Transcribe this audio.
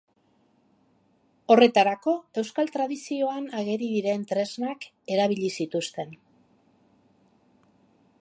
Horretarako euskal tradizioan ageri diren tresnak erabili zituzten.